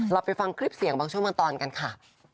ไปฟังคลิปเสียงบางช่วงบางตอนกันค่ะ